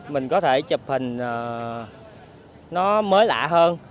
mình có thể chụp hình nó mới lạ hơn